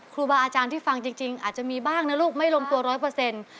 ครูบาอาจารย์ที่ฟังจริงอาจจะมีบ้างนะลูกไม่ลงตัวร้อยเปอร์เซ็นต์